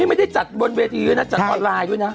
ไม่ได้จัดบนเวทีด้วยนะจัดออนไลน์ด้วยนะ